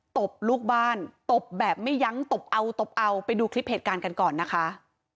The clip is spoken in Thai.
ตบลูกบ้านตบแบบไม่ยั้งตบเอาตบเอาไปดูคลิปเหตุการณ์กันก่อนนะคะ